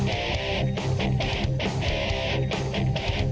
มุนทัน